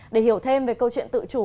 để hiểu thêm về câu chuyện tự chủ